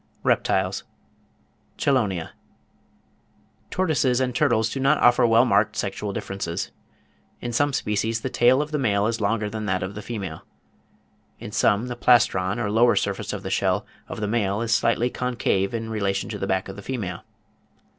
REPTILES. CHELONIA. Tortoises and turtles do not offer well marked sexual differences. In some species, the tail of the male is longer than that of the female. In some, the plastron or lower surface of the shell of the male is slightly concave in relation to the back of the female.